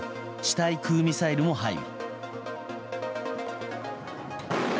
対空ミサイルも配備。